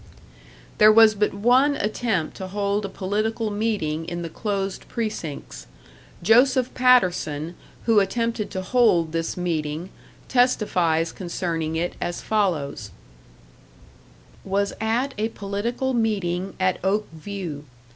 "There was but one attempt to hold a political meeting in the closed precincts. Joseph Patterson, who attempted to hold this meeting, testifies concerning it as follows: "Was at a political meeting at Oakview.